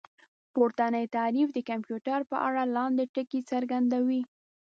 پورتنی تعريف د کمپيوټر په اړه لاندې ټکي څرګندوي